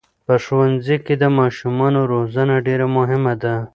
په ښوونځي کې د ماشومانو روزنه ډېره مهمه ده.